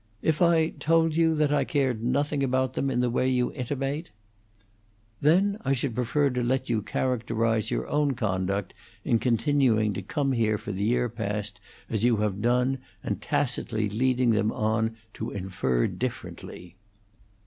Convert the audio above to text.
"If I told you that I cared nothing about them in the way you intimate?" "Then I should prefer to let you characterize your own conduct in continuing to come here for the year past, as you have done, and tacitly leading them on to infer differently."